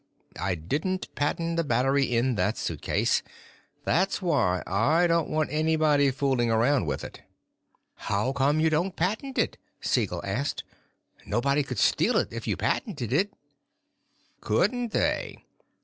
I didn't patent the battery in that suitcase. That's why I don't want anybody fooling around with it." "How come you don't patent it?" Siegel asked. "Nobody could steal it if you patented it." "Couldn't they?"